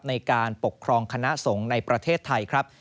ในการปกครองคณะสงฆ์ในประเทศไทยครับ